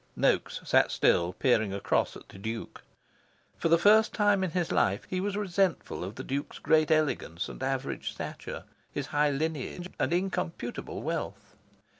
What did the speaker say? Noaks sat still, peering across at the Duke. For the first time in his life, he was resentful of the Duke's great elegance and average stature, his high lineage and incomputable wealth.